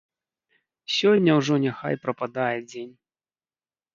Сёння ўжо няхай прападае дзень.